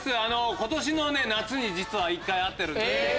今年の夏に１回会ってるんです